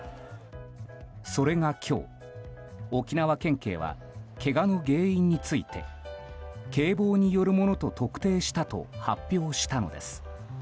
それが今日沖縄県警は、けがの原因について警棒によるものと特定したと発表したのです。